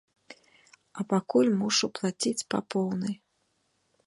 А пакуль мушу плаціць па поўнай.